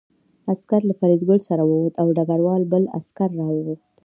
عسکر له فریدګل سره ووت او ډګروال بل عسکر راوغوښت